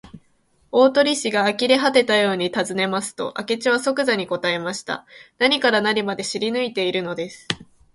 大鳥氏があきれはてたようにたずねますと、明智はそくざに答えました。何から何まで知りぬいているのです。